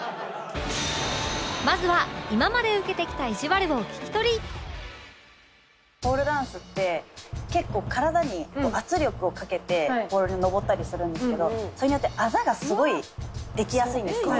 まずはポールダンスって結構体に圧力をかけてポールに登ったりするんですけどそれによってアザがすごいできやすいんですね。